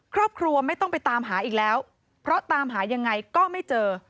ครอบครัวไม่ต้องไปตามหาอีกแล้วเพราะตามหายังไงก็ไม่เจอ